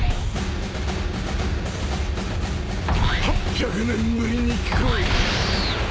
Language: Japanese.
８００年ぶりに聞く。